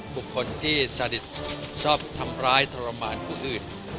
บุคคลที่สนิทชอบทำร้ายทรมานผู้อื่น